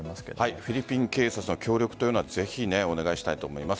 フィリピン警察の協力というのはぜひお願いしたいと思います。